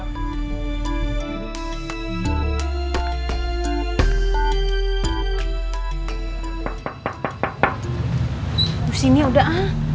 kabu sini udah ah